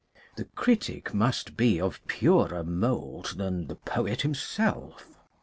The critic must be of purer mould than the poet himself.